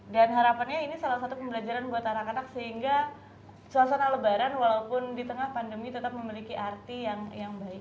dan harapannya ini salah satu pembelajaran buat anak anak sehingga suasana lebaran walaupun di tengah pandemi tetap memiliki arti yang baik